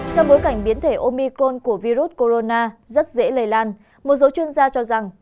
trong bối cảnh biến thể omicon của virus corona rất dễ lây lan một số chuyên gia cho rằng